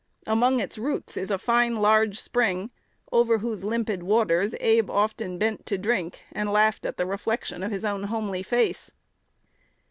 Among its roots is a fine, large spring, over whose limpid waters Abe often bent to drink, and laughed at the reflection of his own homely face.